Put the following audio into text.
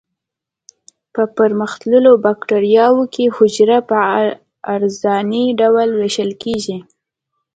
په پرمختللو بکټریاوو کې حجره په عرضاني ډول ویشل کیږي.